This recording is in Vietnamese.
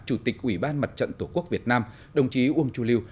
chủ tịch ủy ban mặt trận tổ quốc việt nam đồng chí uông chu lưu